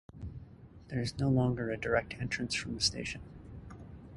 There is no longer a direct entrance from the station.